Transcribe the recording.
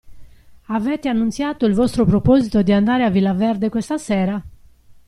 Avete annunziato il vostro proposito di andare a Villa Verde questa sera?